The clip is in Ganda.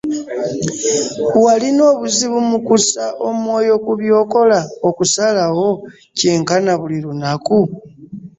Walina obuzbu imu kussa omwoyo ku by’okola ookusalawo kyenkana buli lunaku?